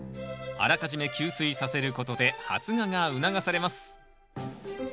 あらかじめ吸水させることで発芽が促されます。